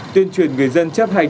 tuyên truyền người dân chấp hành